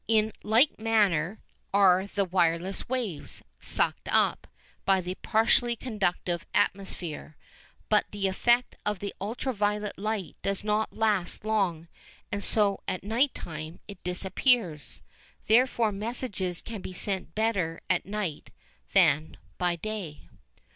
In like manner are the wireless waves "sucked up" by the partially conductive atmosphere. But the effect of the ultra violet light does not last long, and so, at night time, it disappears. Therefore messages can be sent better at night than by day.